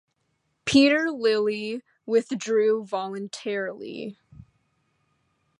Peter Lilley withdrew voluntarily.